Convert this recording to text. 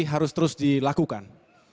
harus terus dilakukan